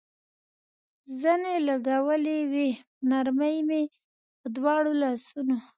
زنې لګولې وې، په نرمۍ مې په دواړو لاسونو.